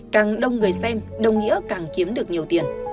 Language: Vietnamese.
càng đông người xem đồng nghĩa càng kiếm được nhiều tiền